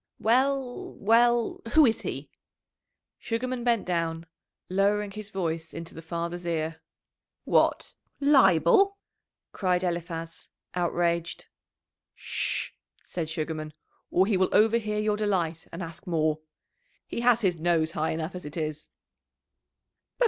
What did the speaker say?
"Well, well who is he?" Sugarman bent down, lowering his voice into the father's ear. "What! Leibel!" cried Eliphaz, outraged. "Sh!" said Sugarman, "or he will overhear your delight, and ask more. He has his nose high enough as it is."